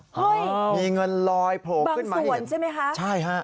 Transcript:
เฮ่ยบางส่วนใช่ไหมคะมีเงินลอยโผล่ขึ้นมาให้เห็นใช่ค่ะ